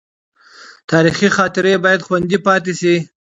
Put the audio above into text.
تاریخي خاطرې باید خوندي پاتې شي.